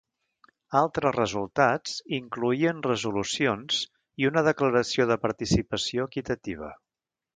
Altres resultats incloïen resolucions i una Declaració de Participació Equitativa.